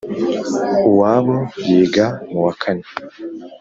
uwabo yiga mu wa kane